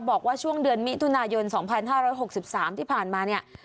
บอกว่าช่วงเดือนมิถุนายน๒๕๖๓ที่ผ่านมาเนี่ย